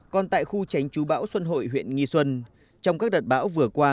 còn tại khu tránh chú bão xuân hội huyện nghi xuân trong các đợt bão vừa qua